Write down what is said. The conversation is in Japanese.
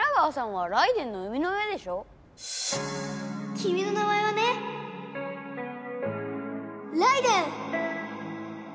きみの名前はねライデェン！